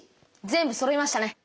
全部そろいましたね。